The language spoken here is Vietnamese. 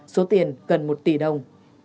số tiền gần một tỷ đồng